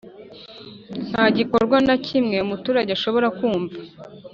Nta gikorwa na kimwe umuturage ashobora kumva